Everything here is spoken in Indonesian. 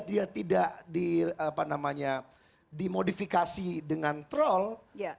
dia tidak di modifikasi dengan tropik